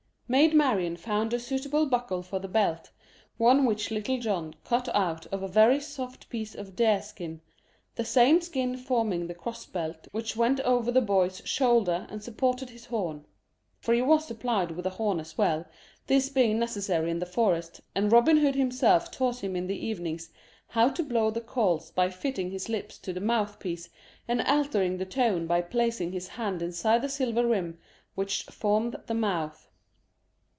Maid Marian found a suitable buckle for the belt, one which Little John cut out of a very soft piece of deer skin, the same skin forming the cross belt which went over the boy's shoulder and supported his horn. For he was supplied with a horn as well, this being necessary in the forest, and Robin Hood himself taught him in the evenings how to blow the calls by fitting his lips to the mouthpiece and altering the tone by placing his hand inside the silver rim which formed the mouth.